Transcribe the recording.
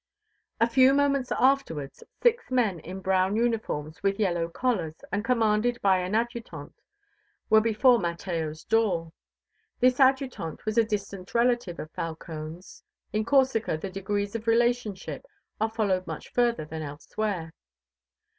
A few moments afterwards, six men in brown uniforms with yellow collars, and commanded by an Adjutant, were before Mateo's door. This Adjutant was a distant relative of Falcone's. (In Corsica the degrees of relationship are followed much further than elsewhere.)